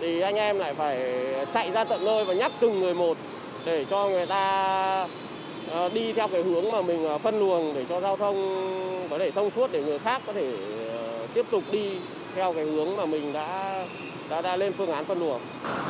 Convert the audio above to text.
để cho giao thông có thể thông suốt để người khác có thể tiếp tục đi theo cái hướng mà mình đã ra lên phương án phân luồng